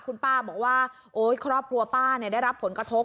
คุณป้าบอกว่าโอ๊ยครอบครัวป้าได้รับผลกระทบ